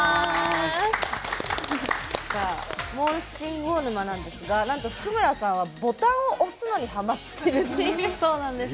モールス信号沼なんですがなんと、譜久村さんはボタンを押すのにハマっているということで。